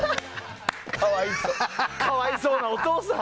可哀想可哀想なお父さん。